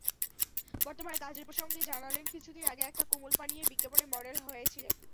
বর্তমানে কাজের প্রসঙ্গে জানালেন, কিছুদিন আগে একটা কোমল পানীয়র বিজ্ঞাপনে মডেল হয়েছিলেন।